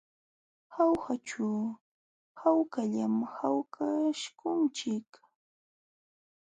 Jaujaćhu hawkallam kawsakunchik.